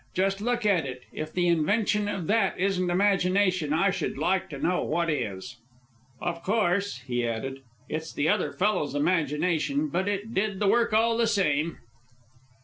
Just look at it! If the invention of that isn't imagination, I should like to know what is." "Of course," he added, "it's the other fellow's imagination, but it did the work all the same."